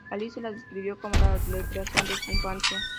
Alice la describió como la recreación de su infancia.